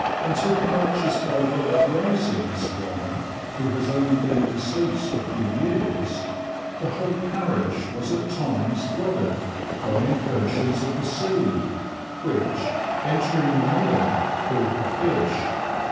Until purchased by Robert Rising, Esq., who has only been deceased a few years, the whole parish was at times flooded by incursions of the sea, which, entering the Mere, killed the fish.